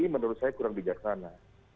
menurut saya kurang bijaksana